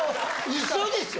ウソでしょ！？